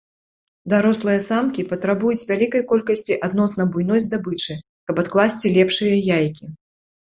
Дарослыя самкі патрабуюць вялікай колькасці адносна буйной здабычы, каб адкласці лепшыя яйкі.